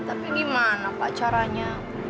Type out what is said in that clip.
tapi gimana pak caranya